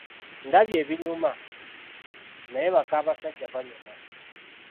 Ndabye ebinyuma, naye baka basajja banyuma.